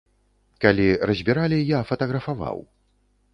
Калі разбіралі, я фатаграфаваў.